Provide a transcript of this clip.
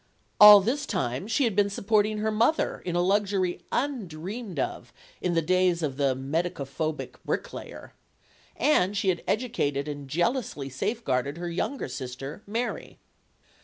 All this time she had been supporting her mother rh a luxury undreamed of in the days of the medi cophobic bricklayer. And she had educated and jealously safeguarded her younger sister, Mary.